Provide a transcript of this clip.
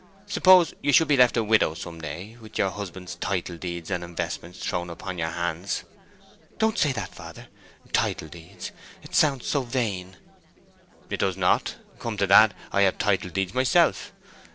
Suppose you should be left a widow some day, with your husband's title deeds and investments thrown upon your hands—" "Don't say that, father—title deeds; it sounds so vain!" "It does not. Come to that, I have title deeds myself.